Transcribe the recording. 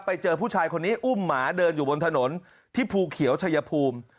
ไปเจอผู้ชายคนนี้อุ้มหมาเดินอยู่บนถนนที่ภูเขียวชายภูมิ